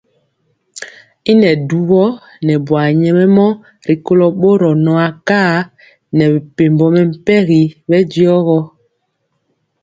Y nɛ dubɔ nɛ buar nyɛmemɔ rikolo boro nɔ akar nɛ mepempɔ mɛmpegi bɛndiɔ gɔ.